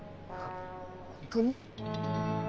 本当に！？